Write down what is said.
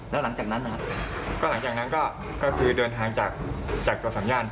ผ่านทางโทรศัพท์หมดเลยใช่ไหมใช่ใช่ใช่แล้วหลังจากนั้นน่ะ